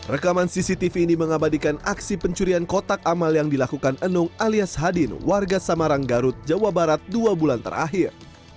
rekaman cctv ini mengabadikan aksi pencurian kotak amal yang dilakukan enung alias hadin warga samarang garut jawa barat dua bulan terakhir